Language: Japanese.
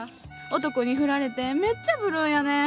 男に振られてめっちゃブルーやねん。